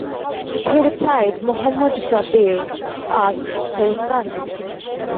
He replied, "Muhammad", Jabir asked, "whose son"?